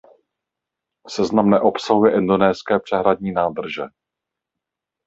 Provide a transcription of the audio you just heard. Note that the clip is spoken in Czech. Seznam neobsahuje indonéské přehradní nádrže.